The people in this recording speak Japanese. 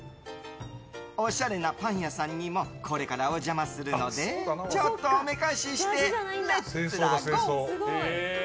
おしゃれなパン屋さんにもこれからお邪魔するのでちょっとおめかししてレッツラゴー！